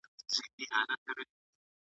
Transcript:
ته به مي نه وینې بې پښو او بې امسا راځمه `